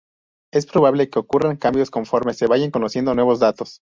Es probable que ocurran cambios conforme se vayan conociendo nuevos datos.